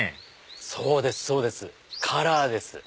そうですそうですカラーです。